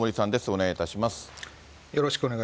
お願いいたします。